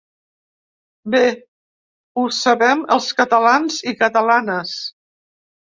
Bé ho sabem els catalans i catalanes.